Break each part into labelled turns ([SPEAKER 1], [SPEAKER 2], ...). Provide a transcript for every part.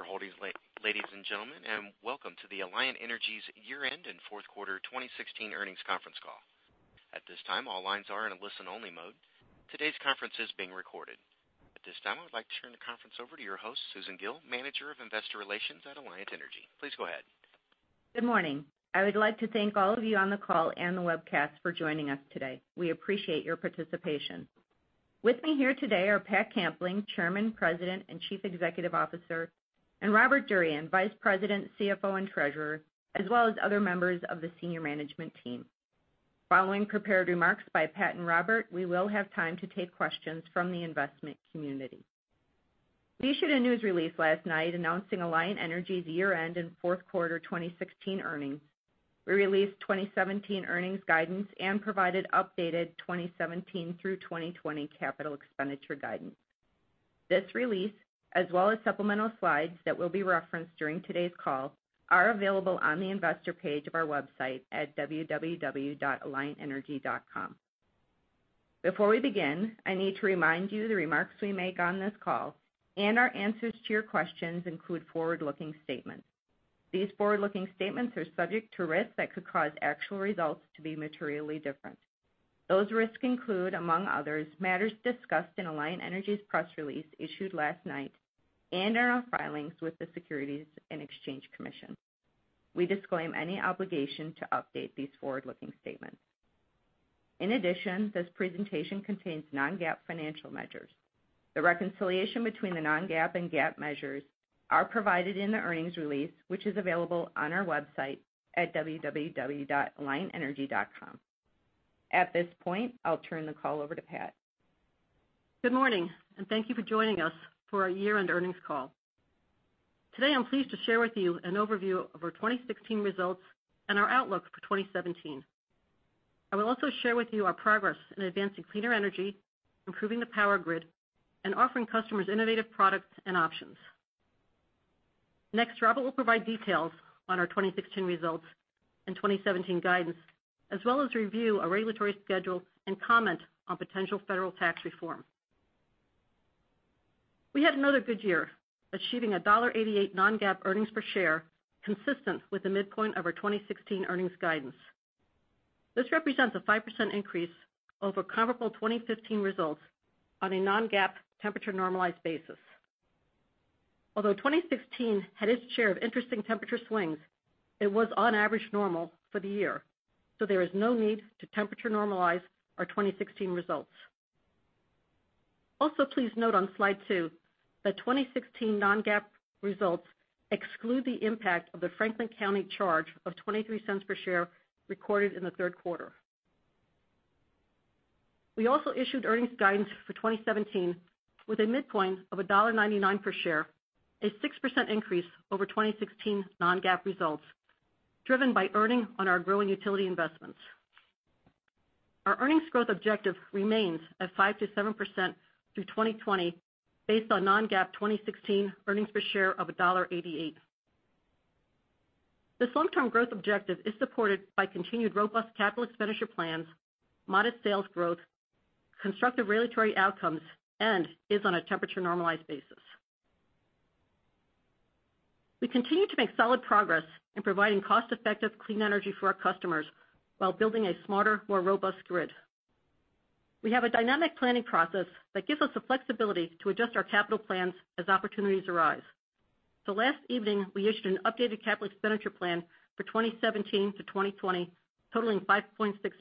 [SPEAKER 1] Thank you for holding, ladies and gentlemen, and welcome to the Alliant Energy's year-end and fourth quarter 2016 earnings conference call. At this time, all lines are in a listen-only mode. Today's conference is being recorded. At this time, I would like to turn the conference over to your host, Susan Gille, Manager of Investor Relations at Alliant Energy. Please go ahead.
[SPEAKER 2] Good morning. I would like to thank all of you on the call and the webcast for joining us today. We appreciate your participation. With me here today are Pat Kampling, Chairman, President, and Chief Executive Officer, and Robert Durian, Vice President, CFO, and Treasurer, as well as other members of the senior management team. Following prepared remarks by Pat and Robert, we will have time to take questions from the investment community. We issued a news release last night announcing Alliant Energy's year-end and fourth quarter 2016 earnings. We released 2017 earnings guidance and provided updated 2017 through 2020 capital expenditure guidance. This release, as well as supplemental slides that will be referenced during today's call, are available on the investor page of our website at www.alliantenergy.com. Before we begin, I need to remind you the remarks we make on this call, and our answers to your questions, include forward-looking statements. These forward-looking statements are subject to risks that could cause actual results to be materially different. Those risks include, among others, matters discussed in Alliant Energy's press release issued last night and in our filings with the Securities and Exchange Commission. We disclaim any obligation to update these forward-looking statements. In addition, this presentation contains non-GAAP financial measures. The reconciliation between the non-GAAP and GAAP measures are provided in the earnings release, which is available on our website at www.alliantenergy.com. At this point, I'll turn the call over to Pat.
[SPEAKER 3] Good morning, thank you for joining us for our year-end earnings call. Today, I'm pleased to share with you an overview of our 2016 results and our outlook for 2017. I will also share with you our progress in advancing cleaner energy, improving the power grid, and offering customers innovative products and options. Next, Robert will provide details on our 2016 results and 2017 guidance, as well as review our regulatory schedule and comment on potential federal tax reform. We had another good year, achieving a $1.88 non-GAAP earnings per share consistent with the midpoint of our 2016 earnings guidance. This represents a 5% increase over comparable 2015 results on a non-GAAP temperature normalized basis. Although 2016 had its share of interesting temperature swings, it was on average normal for the year, so there is no need to temperature normalize our 2016 results. Please note on slide two that 2016 non-GAAP results exclude the impact of the Franklin County charge of $0.23 per share recorded in the third quarter. We also issued earnings guidance for 2017 with a midpoint of $1.99 per share, a 6% increase over 2016 non-GAAP results driven by earning on our growing utility investments. Our earnings growth objective remains at 5%-7% through 2020 based on non-GAAP 2016 earnings per share of $1.88. This long-term growth objective is supported by continued robust capital expenditure plans, modest sales growth, constructive regulatory outcomes, and is on a temperature normalized basis. We continue to make solid progress in providing cost-effective clean energy for our customers while building a smarter, more robust grid. We have a dynamic planning process that gives us the flexibility to adjust our capital plans as opportunities arise. Last evening, we issued an updated capital expenditure plan for 2017-2020 totaling $5.6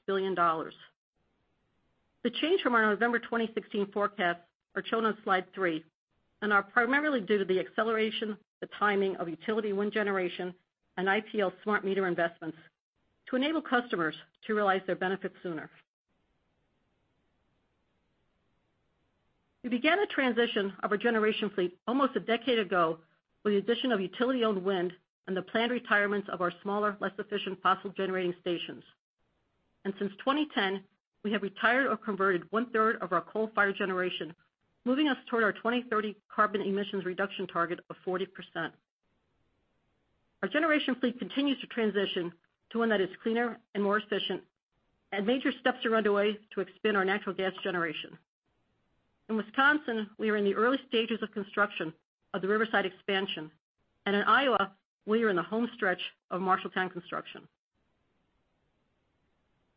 [SPEAKER 3] billion. The change from our November 2016 forecast are shown on slide three and are primarily due to the acceleration, the timing of utility wind generation, and IPL's smart meter investments to enable customers to realize their benefits sooner. Since 2010, we have retired or converted one-third of our coal-fired generation, moving us toward our 2030 carbon emissions reduction target of 40%. Our generation fleet continues to transition to one that is cleaner and more efficient. Major steps are underway to expand our natural gas generation. In Wisconsin, we are in the early stages of construction of the Riverside expansion. In Iowa, we are in the homestretch of Marshalltown construction.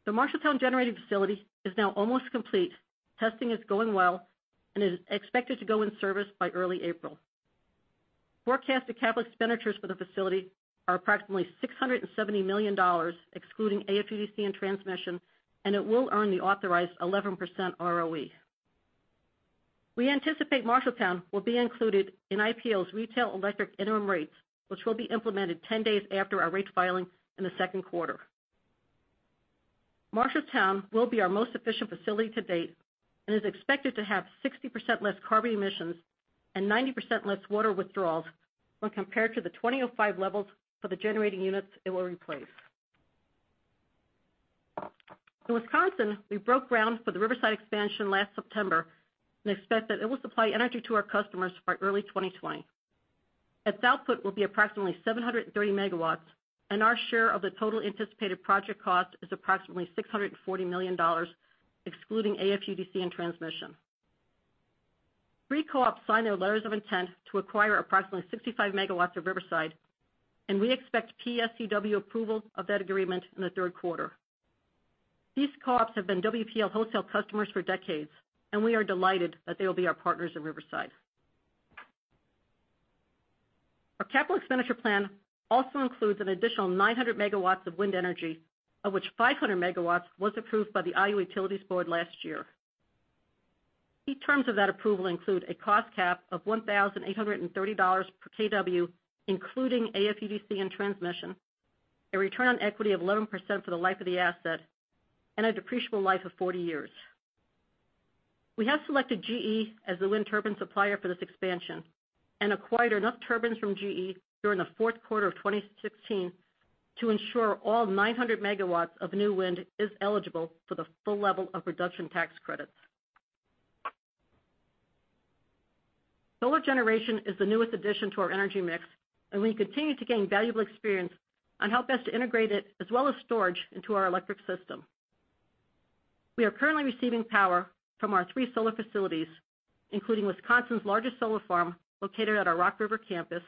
[SPEAKER 3] The Marshalltown generating facility is now almost complete. Testing is going well and is expected to go in service by early April. Forecasted capital expenditures for the facility are approximately $670 million, excluding AFUDC and transmission, and it will earn the authorized 11% ROE. We anticipate Marshalltown will be included in IPL's retail electric interim rates, which will be implemented 10 days after our rates filing in the second quarter. Marshalltown will be our most efficient facility to date and is expected to have 60% less carbon emissions and 90% less water withdrawals when compared to the 2005 levels for the generating units it will replace. In Wisconsin, we broke ground for the Riverside expansion last September and expect that it will supply energy to our customers by early 2020. Its output will be approximately 730 MW. Our share of the total anticipated project cost is approximately $640 million, excluding AFUDC and transmission. Three co-ops signed their letters of intent to acquire approximately 65 MW of Riverside, and we expect PSCW approval of that agreement in the third quarter. These co-ops have been WPL wholesale customers for decades. We are delighted that they will be our partners in Riverside. Our capital expenditure plan also includes an additional 900 MW of wind energy, of which 500 MW was approved by the Iowa Utilities Board last year. Key terms of that approval include a cost cap of $1,830 per kW, including AFUDC and transmission, a return on equity of 11% for the life of the asset, and a depreciable life of 40 years. We have selected GE as the wind turbine supplier for this expansion and acquired enough turbines from GE during the fourth quarter of 2016 to ensure all 900 megawatts of new wind is eligible for the full level of production tax credits. Solar generation is the newest addition to our energy mix, and we continue to gain valuable experience on how best to integrate it, as well as storage, into our electric system. We are currently receiving power from our three solar facilities, including Wisconsin's largest solar farm, located at our Rock River campus,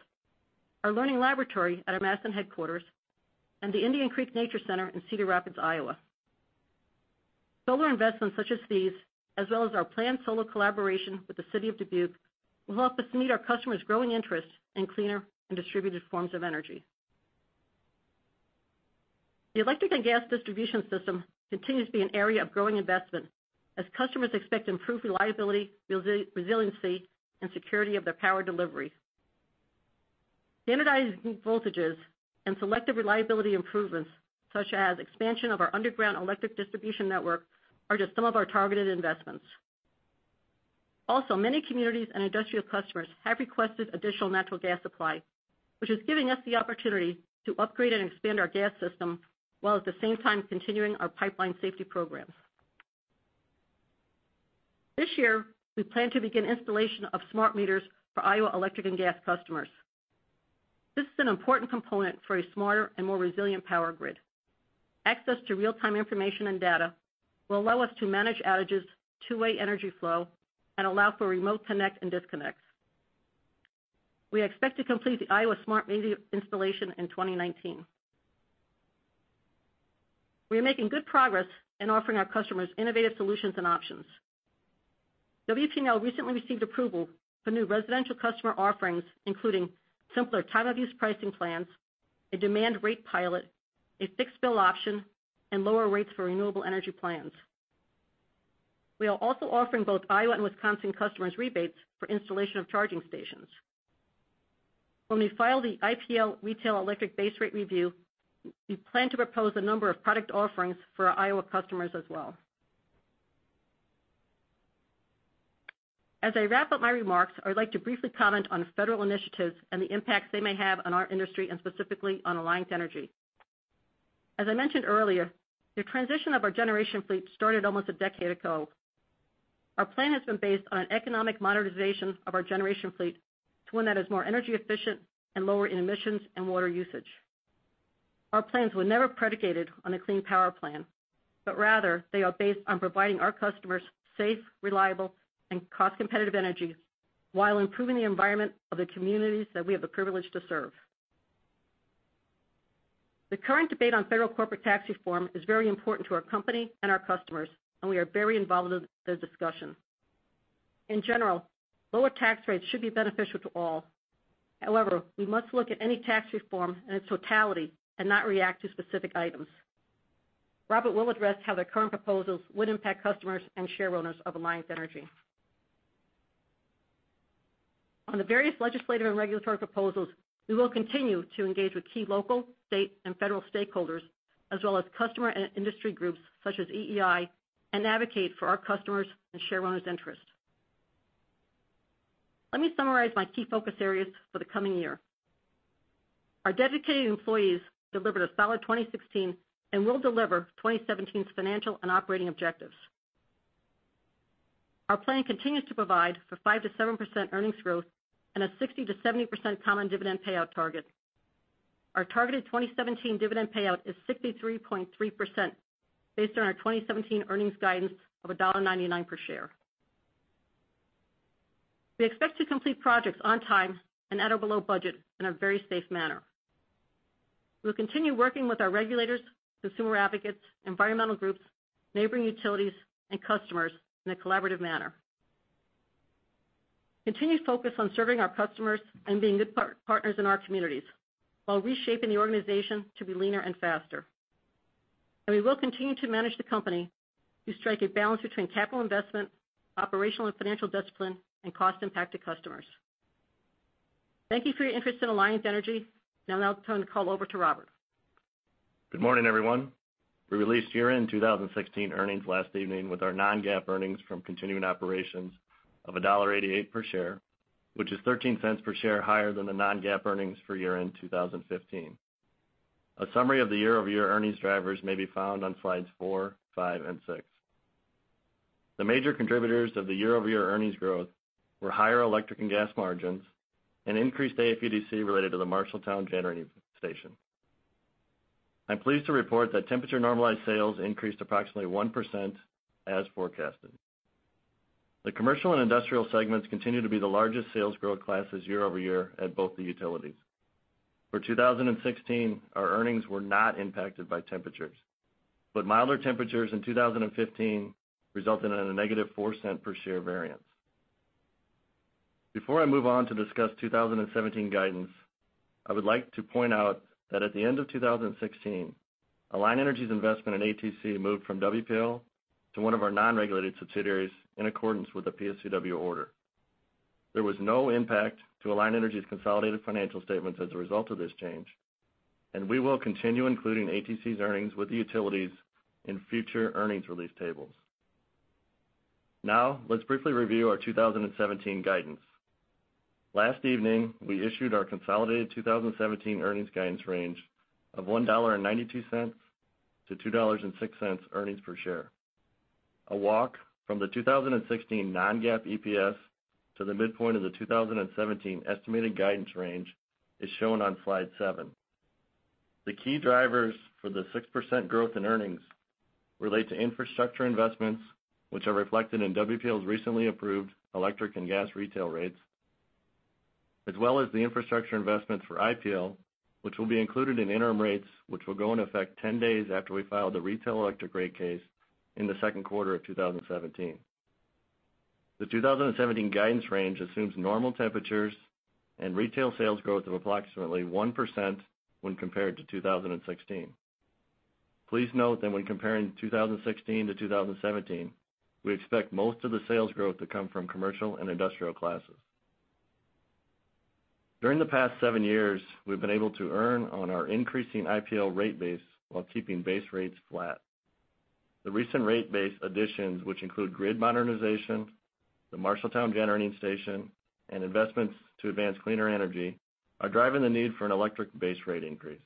[SPEAKER 3] our learning laboratory at our Madison headquarters, and the Indian Creek Nature Center in Cedar Rapids, Iowa. Solar investments such as these, as well as our planned solar collaboration with the city of Dubuque, will help us meet our customers' growing interest in cleaner and distributed forms of energy. Also, many communities and industrial customers have requested additional natural gas supply, which is giving us the opportunity to upgrade and expand our gas system, while at the same time continuing our pipeline safety programs. This year, we plan to begin installation of smart meters for Iowa Electric and Gas customers. This is an important component for a smarter and more resilient power grid. Access to real-time information and data will allow us to manage outages, two-way energy flow, and allow for remote connect and disconnects. We expect to complete the Iowa smart meter installation in 2019. We are making good progress in offering our customers innovative solutions and options. WPL recently received approval for new residential customer offerings, including simpler time-of-use pricing plans, a demand rate pilot, a fixed bill option, and lower rates for renewable energy plans. We are also offering both Iowa and Wisconsin customers rebates for installation of charging stations. When we file the IPL retail electric base rate review, we plan to propose a number of product offerings for our Iowa customers as well. As I wrap up my remarks, I would like to briefly comment on federal initiatives and the impact they may have on our industry, and specifically on Alliant Energy. As I mentioned earlier, the transition of our generation fleet started almost a decade ago. Our plan has been based on an economic modernization of our generation fleet to one that is more energy efficient and lower in emissions and water usage. Our plans were never predicated on a Clean Power Plan. Rather, they are based on providing our customers safe, reliable, and cost-competitive energy while improving the environment of the communities that we have the privilege to serve. The current debate on federal corporate tax reform is very important to our company and our customers. We are very involved in the discussion. However, we must look at any tax reform in its totality and not react to specific items. Robert will address how the current proposals would impact customers and shareholders of Alliant Energy. On the various legislative and regulatory proposals, we will continue to engage with key local, state, and federal stakeholders, as well as customer and industry groups such as EEI, and advocate for our customers' and shareholders' interests. Let me summarize my key focus areas for the coming year. Our dedicated employees delivered a solid 2016 and will deliver 2017's financial and operating objectives. Our plan continues to provide for 5%-7% earnings growth and a 60%-70% common dividend payout target. Our targeted 2017 dividend payout is 63.3%, based on our 2017 earnings guidance of $1.99 per share. We'll continue working with our regulators, consumer advocates, environmental groups, neighboring utilities, and customers in a collaborative manner. Continued focus on serving our customers and being good partners in our communities while reshaping the organization to be leaner and faster. We will continue to manage the company to strike a balance between capital investment, operational and financial discipline, and cost impact to customers. Thank you for your interest in Alliant Energy. Now I'll turn the call over to Robert.
[SPEAKER 4] Good morning, everyone. We released year-end 2016 earnings last evening with our non-GAAP earnings from continuing operations of $1.88 per share, which is $0.13 per share higher than the non-GAAP earnings for year-end 2015. A summary of the year-over-year earnings drivers may be found on slides four, five, and six. The major contributors of the year-over-year earnings growth were higher electric and gas margins and increased AFUDC related to the Marshalltown Generating Station. I'm pleased to report that temperature-normalized sales increased approximately 1% as forecasted. The commercial and industrial segments continue to be the largest sales growth classes year-over-year at both the utilities. For 2016, our earnings were not impacted by temperatures, but milder temperatures in 2015 resulted in a negative $0.04 per share variance. Before I move on to discuss 2017 guidance, I would like to point out that at the end of 2016, Alliant Energy's investment in ATC moved from WPL to one of our non-regulated subsidiaries in accordance with the PSCW order. There was no impact to Alliant Energy's consolidated financial statements as a result of this change. We will continue including ATC's earnings with the utilities in future earnings release tables. Let's briefly review our 2017 guidance. Last evening, we issued our consolidated 2017 earnings guidance range of $1.92-$2.06 earnings per share. A walk from the 2016 non-GAAP EPS to the midpoint of the 2017 estimated guidance range is shown on slide seven. The key drivers for the 6% growth in earnings relate to infrastructure investments, which are reflected in WPL's recently approved electric and gas retail rates, as well as the infrastructure investments for IPL, which will be included in interim rates, which will go into effect 10 days after we file the retail electric rate case in the second quarter of 2017. The 2017 guidance range assumes normal temperatures and retail sales growth of approximately 1% when compared to 2016. Please note that when comparing 2016 to 2017, we expect most of the sales growth to come from commercial and industrial classes. During the past 7 years, we've been able to earn on our increasing IPL rate base while keeping base rates flat. The recent rate base additions, which include grid modernization, the Marshalltown Generating Station, and investments to advance cleaner energy, are driving the need for an electric base rate increase.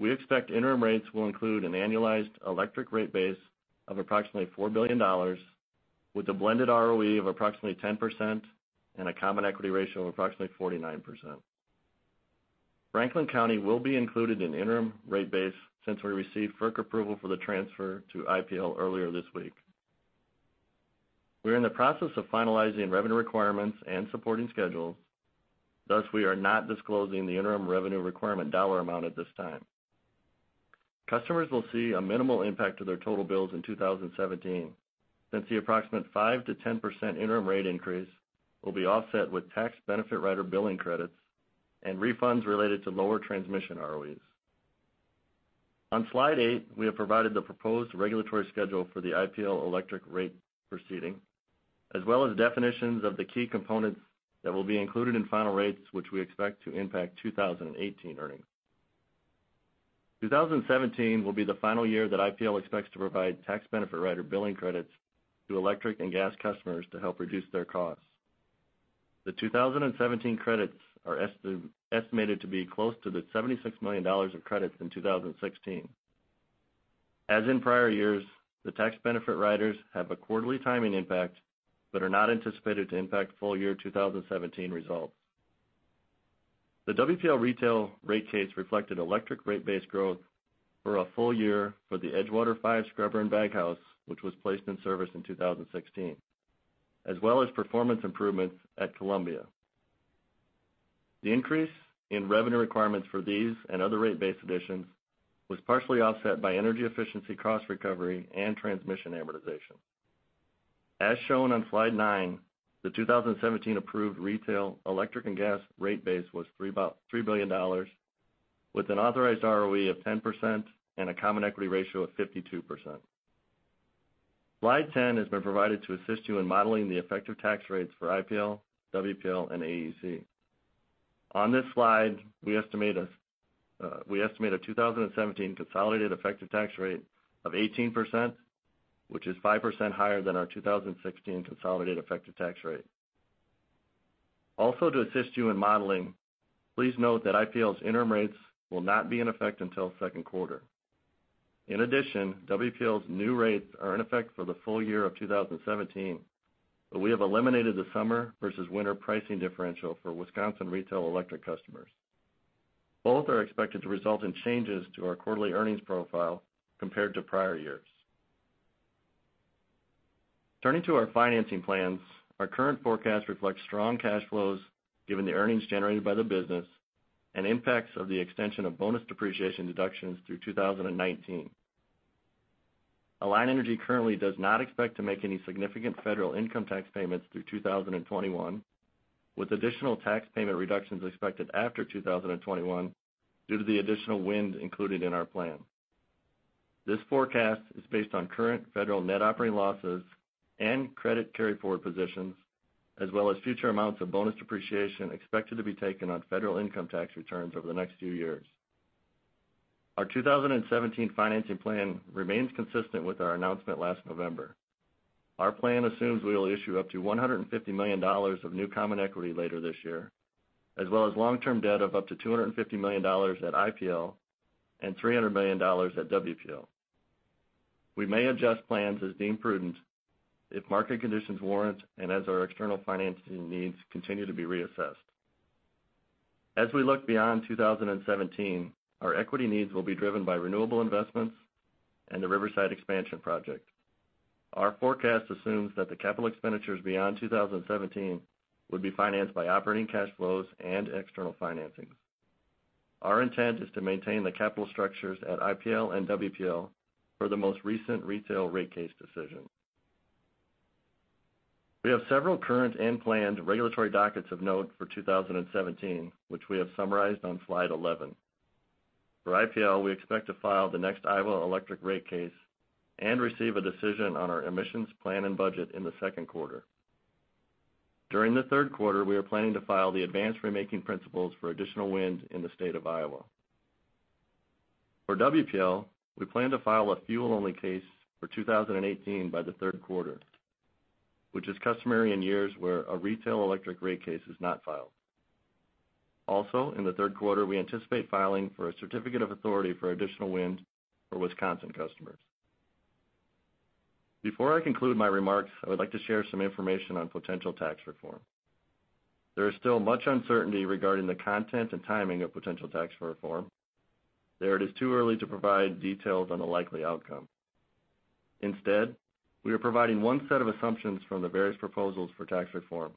[SPEAKER 4] We expect interim rates will include an annualized electric rate base of approximately $4 billion, with a blended ROE of approximately 10% and a common equity ratio of approximately 49%. Franklin County will be included in interim rate base since we received FERC approval for the transfer to IPL earlier this week. We're in the process of finalizing revenue requirements and supporting schedules, thus, we are not disclosing the interim revenue requirement dollar amount at this time. Customers will see a minimal impact to their total bills in 2017 since the approximate 5%-10% interim rate increase will be offset with tax benefit rider billing credits and refunds related to lower transmission ROEs. On slide eight, we have provided the proposed regulatory schedule for the IPL electric rate proceeding, as well as definitions of the key components that will be included in final rates, which we expect to impact 2018 earnings. 2017 will be the final year that IPL expects to provide tax benefit rider billing credits to electric and gas customers to help reduce their costs. The 2017 credits are estimated to be close to the $76 million of credits in 2016. As in prior years, the tax benefit riders have a quarterly timing impact but are not anticipated to impact full year 2017 results. The WPL retail rate case reflected electric rate base growth for a full year for the Edgewater 5 scrubber and baghouse, which was placed in service in 2016, as well as performance improvements at Columbia. The increase in revenue requirements for these and other rate base additions was partially offset by energy efficiency cost recovery and transmission amortization. As shown on slide 9, the 2017 approved retail electric and gas rate base was $3 billion, with an authorized ROE of 10% and a common equity ratio of 52%. Slide 10 has been provided to assist you in modeling the effective tax rates for IPL, WPL, and AEC. On this slide, we estimate a 2017 consolidated effective tax rate of 18%, which is 5% higher than our 2016 consolidated effective tax rate. Also, to assist you in modeling, please note that IPL's interim rates will not be in effect until second quarter. In addition, WPL's new rates are in effect for the full year of 2017, but we have eliminated the summer versus winter pricing differential for Wisconsin retail electric customers. Both are expected to result in changes to our quarterly earnings profile compared to prior years. Turning to our financing plans, our current forecast reflects strong cash flows given the earnings generated by the business and impacts of the extension of bonus depreciation deductions through 2019. Alliant Energy currently does not expect to make any significant federal income tax payments through 2021, with additional tax payment reductions expected after 2021 due to the additional wind included in our plan. This forecast is based on current federal net operating losses and credit carryforward positions, as well as future amounts of bonus depreciation expected to be taken on federal income tax returns over the next few years. Our 2017 financing plan remains consistent with our announcement last November. Our plan assumes we will issue up to $150 million of new common equity later this year, as well as long-term debt of up to $250 million at IPL and $300 million at WPL. We may adjust plans as deemed prudent if market conditions warrant and as our external financing needs continue to be reassessed. As we look beyond 2017, our equity needs will be driven by renewable investments and the Riverside expansion project. Our forecast assumes that the capital expenditures beyond 2017 would be financed by operating cash flows and external financing. Our intent is to maintain the capital structures at IPL and WPL for the most recent retail rate case decision. We have several current and planned regulatory dockets of note for 2017, which we have summarized on slide 11. For IPL, we expect to file the next Iowa Electric Rate Case and receive a decision on our emissions plan and budget in the second quarter. During the third quarter, we are planning to file the advance ratemaking principles for additional wind in the state of Iowa. For WPL, we plan to file a fuel-only case for 2018 by the third quarter, which is customary in years where a retail electric rate case is not filed. In the third quarter, we anticipate filing for a certificate of authority for additional wind for Wisconsin customers. Before I conclude my remarks, I would like to share some information on potential tax reform. There is still much uncertainty regarding the content and timing of potential tax reform, therefore it is too early to provide details on the likely outcome. Instead, we are providing one set of assumptions from the various proposals for tax reform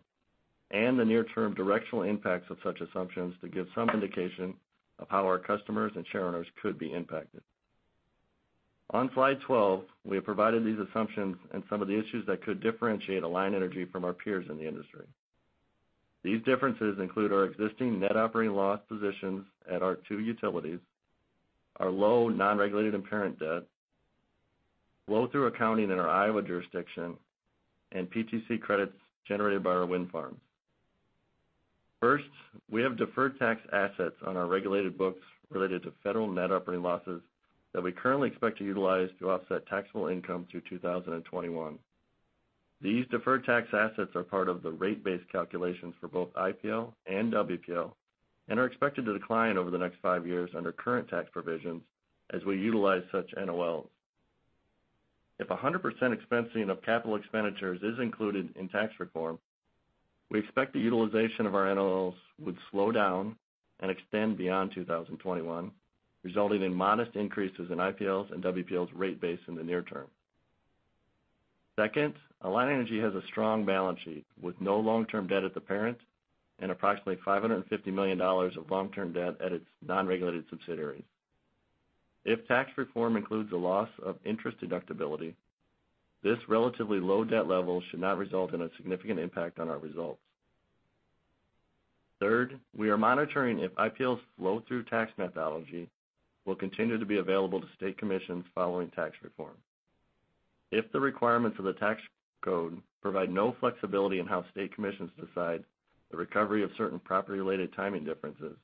[SPEAKER 4] and the near-term directional impacts of such assumptions to give some indication of how our customers and shareholders could be impacted. On slide 12, we have provided these assumptions and some of the issues that could differentiate Alliant Energy from our peers in the industry. These differences include our existing net operating loss positions at our two utilities, our low non-regulated and parent debt, flow-through accounting in our Iowa jurisdiction, and PTC credits generated by our wind farms. First, we have deferred tax assets on our regulated books related to federal net operating losses that we currently expect to utilize to offset taxable income through 2021. These deferred tax assets are part of the rate base calculations for both IPL and WPL and are expected to decline over the next five years under current tax provisions as we utilize such NOLs. If 100% expensing of capital expenditures is included in tax reform, we expect the utilization of our NOLs would slow down and extend beyond 2021, resulting in modest increases in IPL's and WPL's rate base in the near term. Second, Alliant Energy has a strong balance sheet with no long-term debt at the parent and approximately $550 million of long-term debt at its non-regulated subsidiaries. If tax reform includes a loss of interest deductibility, this relatively low debt level should not result in a significant impact on our results. Third, we are monitoring if IPL's flow-through tax methodology will continue to be available to state commissions following tax reform. If the requirements of the tax code provide no flexibility in how state commissions decide the recovery of certain property-related timing differences,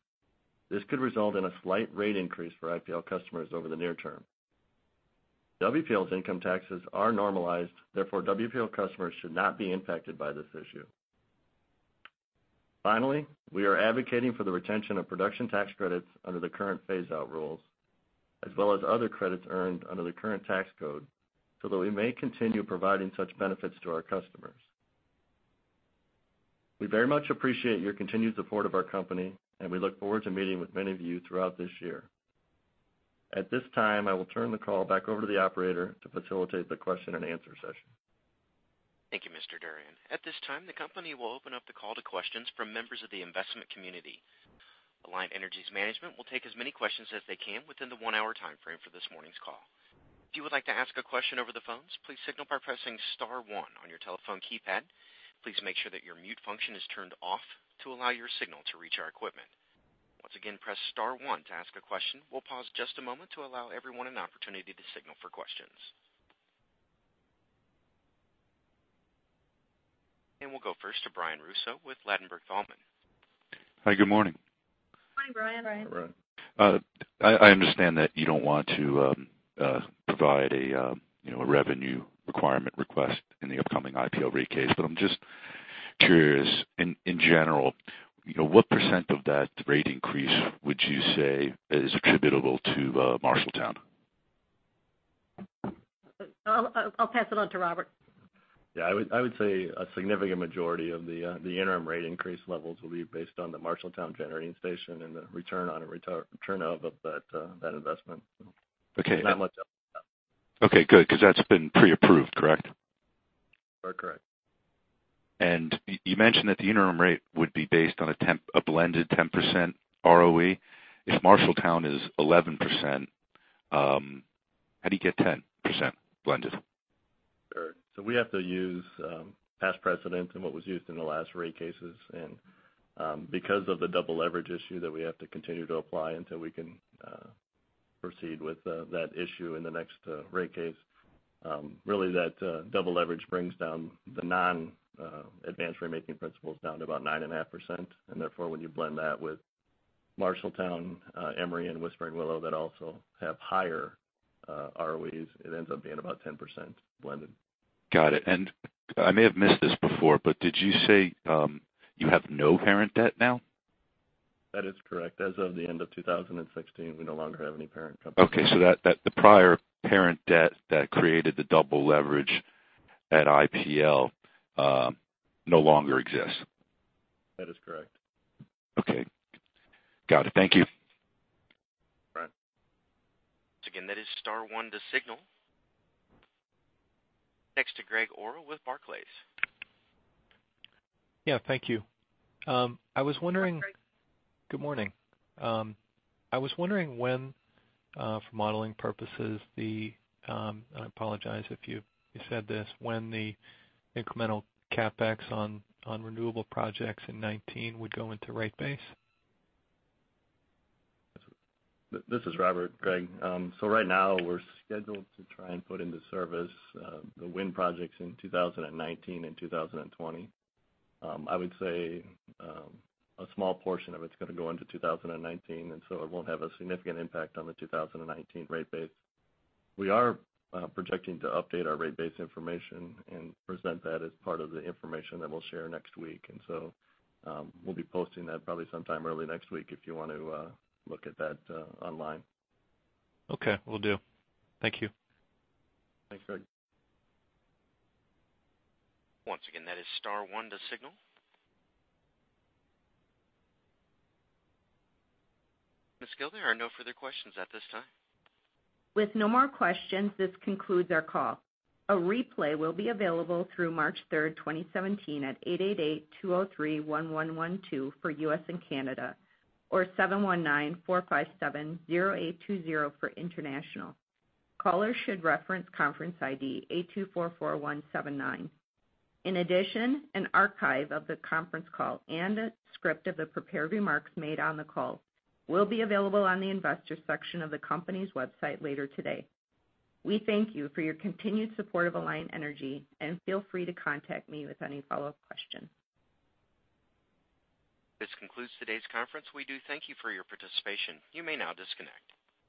[SPEAKER 4] this could result in a slight rate increase for IPL customers over the near term. WPL's income taxes are normalized, therefore WPL customers should not be impacted by this issue. We are advocating for the retention of production tax credits under the current phase-out rules, as well as other credits earned under the current tax code, so that we may continue providing such benefits to our customers. We very much appreciate your continued support of our company, and we look forward to meeting with many of you throughout this year. At this time, I will turn the call back over to the operator to facilitate the question-and-answer session.
[SPEAKER 1] Thank you, Mr. Durian. At this time, the company will open up the call to questions from members of the investment community. Alliant Energy's management will take as many questions as they can within the one-hour timeframe for this morning's call. If you would like to ask a question over the phones, please signal by pressing *1 on your telephone keypad. Please make sure that your mute function is turned off to allow your signal to reach our equipment. Once again, press *1 to ask a question. We'll pause just a moment to allow everyone an opportunity to signal for questions. We'll go first to Brian Russo with Ladenburg Thalmann.
[SPEAKER 5] Hi, good morning.
[SPEAKER 3] Hi, Brian.
[SPEAKER 4] Hi, Brian.
[SPEAKER 5] I understand that you don't want to provide a revenue requirement request in the upcoming IPL rate case, but I'm just curious, in general, what % of that rate increase would you say is attributable to Marshalltown?
[SPEAKER 3] I'll pass it on to Robert.
[SPEAKER 4] Yeah, I would say a significant majority of the interim rate increase levels will be based on the Marshalltown generating station and the return on and return of that investment.
[SPEAKER 5] Okay.
[SPEAKER 4] Not much else to that.
[SPEAKER 5] Okay, good, because that's been pre-approved, correct?
[SPEAKER 4] Correct.
[SPEAKER 5] You mentioned that the interim rate would be based on a blended 10% ROE. If Marshalltown is 11%, how do you get 10% blended?
[SPEAKER 4] We have to use past precedents and what was used in the last rate cases. Because of the double leverage issue that we have to continue to apply until we can proceed with that issue in the next rate case, really that double leverage brings down the non-advance ratemaking principles down to about 9.5%. Therefore, when you blend that with Marshalltown, Emery, and Whispering Willow, that also have higher ROEs, it ends up being about 10% blended.
[SPEAKER 5] Got it. I may have missed this before, did you say you have no parent debt now?
[SPEAKER 4] That is correct. As of the end of 2016, we no longer have any parent company debt.
[SPEAKER 5] Okay. The prior parent debt that created the double leverage at IPL no longer exists.
[SPEAKER 4] That is correct.
[SPEAKER 5] Okay. Got it. Thank you.
[SPEAKER 4] All right.
[SPEAKER 1] Once again, that is star one to signal. Next to Greg Gordon with Barclays.
[SPEAKER 6] Yeah, thank you.
[SPEAKER 1] Go ahead, Greg.
[SPEAKER 6] Good morning. I was wondering when, for modeling purposes, the, and I apologize if you said this, when the incremental CapEx on renewable projects in 2019 would go into rate base?
[SPEAKER 4] This is Robert. Greg. Right now we're scheduled to try and put into service the wind projects in 2019 and 2020. I would say, a small portion of it's going to go into 2019, and so it won't have a significant impact on the 2019 rate base. We are projecting to update our rate base information and present that as part of the information that we'll share next week. We'll be posting that probably sometime early next week if you want to look at that online.
[SPEAKER 6] Okay, will do. Thank you.
[SPEAKER 4] Thanks, Greg.
[SPEAKER 1] Once again, that is star one to signal. Ms. Gille, there are no further questions at this time.
[SPEAKER 2] With no more questions, this concludes our call. A replay will be available through March 3rd, 2017, at 888-203-1112 for U.S. and Canada, or 719-457-0820 for international. Callers should reference conference ID 8244179. In addition, an archive of the conference call and a script of the prepared remarks made on the call will be available on the investor section of the company's website later today. We thank you for your continued support of Alliant Energy, and feel free to contact me with any follow-up questions.
[SPEAKER 1] This concludes today's conference. We do thank you for your participation. You may now disconnect.